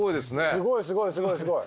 すごいすごいすごいすごい。